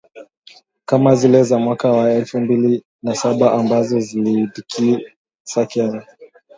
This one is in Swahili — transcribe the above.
kama zile za mwaka wa elfu mbili na saba ambazo ziliitikisa Kenya.